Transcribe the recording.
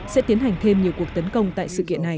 sẽ tiến hành thêm nhiều cuộc tấn công tại sự kiện này